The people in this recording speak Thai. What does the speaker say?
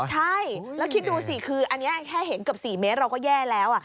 ใช่แล้วคิดดูสิคืออันนี้แค่เห็นเกือบ๔เมตรเราก็แย่แล้ว